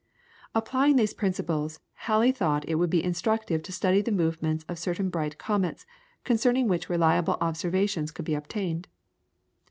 Applying these principles, Halley thought it would be instructive to study the movements of certain bright comets, concerning which reliable observations could be obtained.